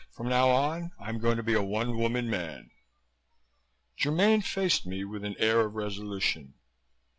From now on, I'm going to be a one woman man." Germaine faced me with an air of resolution.